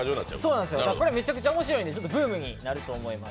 これ、めちゃくちゃ面白いんでブームになると思います。